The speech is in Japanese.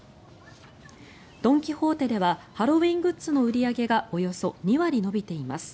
ドン・キホーテではハロウィーングッズの売り上げがおよそ２割伸びています。